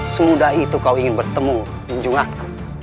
semudah itu kau ingin bertemu menjumatku